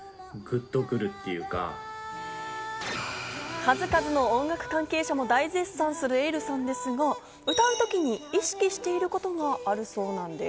数々の音楽関係者も大絶賛するｅｉｌｌさんですが、歌うときに意識していることがあるそうなんです。